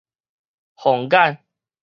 鳳眼